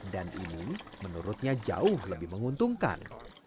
dan ini menurutnya jauh lebih menguntungkan